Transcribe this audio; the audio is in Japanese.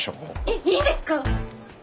えっいいんですか？